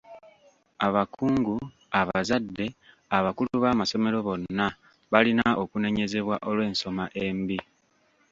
Abakungu, abazadde, abakulu b'amasomero bonna balina okunenyezebwa olw'ensoma embi.